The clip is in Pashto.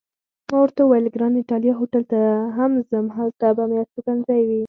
ما ورته وویل: ګران ایټالیا هوټل ته هم ځم، هلته به مې استوګنځی وي.